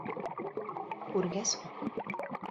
Күргәс һуң!